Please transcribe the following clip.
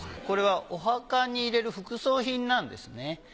これはお墓に入れる副葬品なんですね。